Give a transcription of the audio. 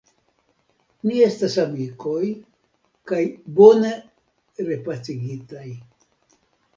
Ni estas amikoj kaj bone repacigitaj.